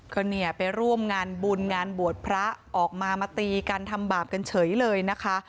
ก็เนี่ยไปร่วมงานบุญงานบวชพระออกมามาตีกันทำบาปกันเฉยเลยนะคะ